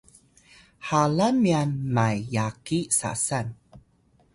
halan myan may yaki sasan